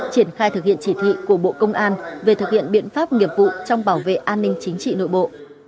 triển khai thực hiện chỉ thị của bộ công an về thực hiện biện pháp nghiệp vụ trong bảo vệ an ninh chính trị nội bộ